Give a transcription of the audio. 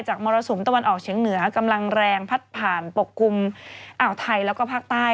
มรสุมตะวันออกเฉียงเหนือกำลังแรงพัดผ่านปกคลุมอ่าวไทยแล้วก็ภาคใต้